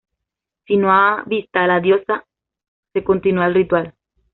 Si no ha vista a la diosa, se continúa el ritual.